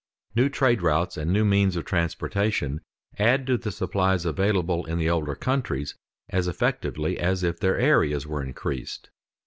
New trade routes and new means of transportation add to the supplies available in the older countries as effectively as if their areas were increased.